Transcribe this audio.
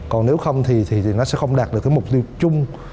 còn nếu không thì nó sẽ không đạt được mục tiêu